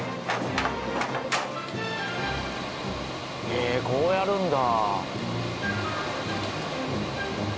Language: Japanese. へえこうやるんだ。